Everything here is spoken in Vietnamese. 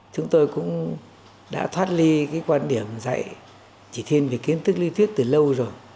chúng tôi cũng đã thoát ly quan điểm dạy chỉ thiên về kiến thức lưu thuyết từ lâu rồi